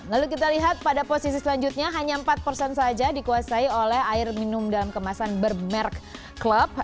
lalu kita lihat pada posisi selanjutnya hanya empat persen saja dikuasai oleh air minum dalam kemasan bermerk club